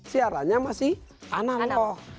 siarannya masih analog